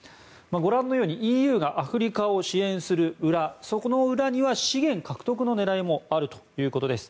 ご覧のようにＥＵがアフリカを支援する裏その裏には資源獲得の狙いもあるということです。